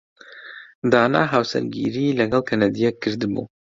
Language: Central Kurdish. دانا هاوسەرگیریی لەگەڵ کەنەدییەک کردبوو.